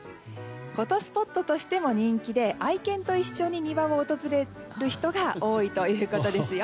フォトスポットとしても人気で愛犬と一緒に庭を訪れる人が多いということですよ。